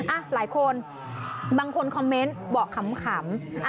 หลายคนบางคนคอมเมนต์บอกขำ